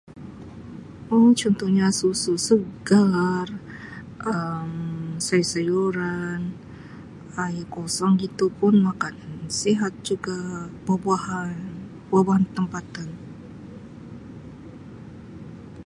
oh contohnya susu segar Um sayur sayuran air kosong gitu pun makanan sihat juga buah-buahan buah- buahan tempatan